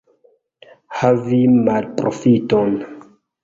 Havi malprofiton.